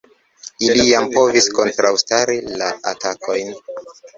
Ili jam povis kontraŭstari la atakojn.